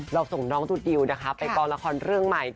เราส่งน้องดูดิวไปกองละครเรื่องใหม่